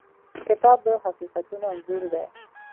کتاب د حقیقتونو انځور دی.